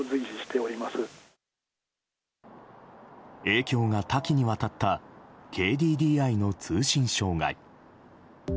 影響が多岐にわたったＫＤＤＩの通信障害。